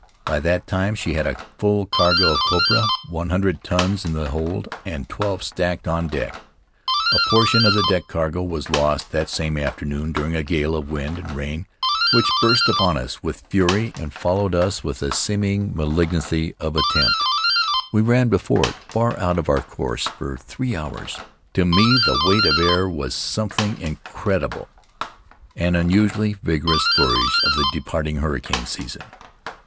By that time she had a full cargo of copra, one hundred tons in the hold and twelve, sacked, on deck. A portion of the deck cargo was lost that same afternoon, during a gale of wind and rain which burst upon us with fury and followed us with a seeming malignity of intent. We ran before it, far out of our course, for three hours. To me the weight of air was some thing incredible, an unusually vigorous flourish of the departing hurricane season.